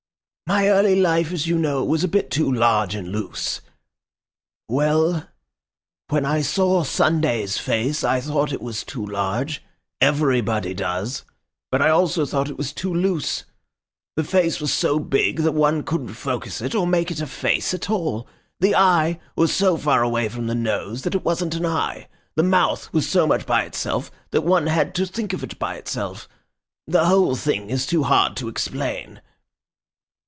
My early life, as you know, was a bit too large and loose. "Well, when I saw Sunday's face I thought it was too large—everybody does, but I also thought it was too loose. The face was so big, that one couldn't focus it or make it a face at all. The eye was so far away from the nose, that it wasn't an eye. The mouth was so much by itself, that one had to think of it by itself. The whole thing is too hard to explain."